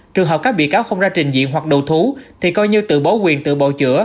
trường hợp các bị cáo không ra trình diện hoặc đồ thú thì coi như tự bố quyền tự bầu chữa